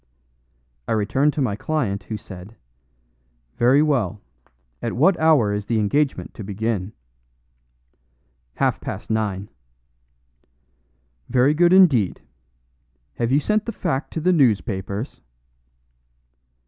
I returned to my client, who said, "Very well; at what hour is the engagement to begin?" "Half past nine." "Very good indeed. Have you sent the fact to the newspapers?"